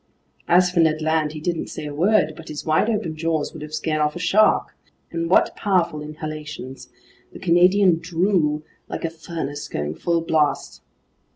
As for Ned Land, he didn't say a word, but his wide open jaws would have scared off a shark. And what powerful inhalations! The Canadian "drew" like a furnace going full blast.